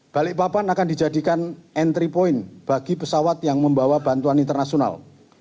balikpapan akan dijadikan entry point bagi pesawat yang membawa bantuan internasional